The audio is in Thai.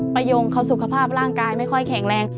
ยงเขาสุขภาพร่างกายไม่ค่อยแข็งแรง